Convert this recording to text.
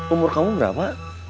umur kamu berapa